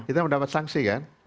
kita mendapat sanksi kan